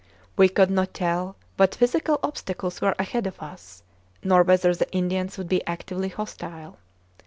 We could not tell what physical obstacles were ahead of us, nor whether the Indians would be actively hostile.